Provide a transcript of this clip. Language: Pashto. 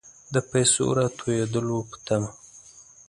د پیسو راتوېدلو په طمع.